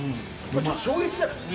ちょっと衝撃じゃない？